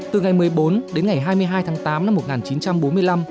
từ ngày một mươi bốn đến ngày hai mươi hai tháng tám năm một nghìn chín trăm bốn mươi năm